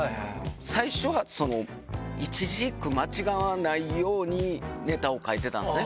最初はその、一字一句間違わないようにネタを書いてたんですね。